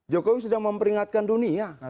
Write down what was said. jokowi sedang memperingatkan dunia